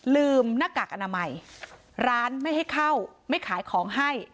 หน้ากากอนามัยร้านไม่ให้เข้าไม่ขายของให้